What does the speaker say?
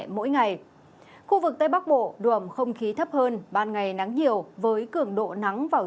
từ hai mươi ngày khu vực tây bắc bộ đuộm không khí thấp hơn ban ngày nắng nhiều với cường độ nắng vào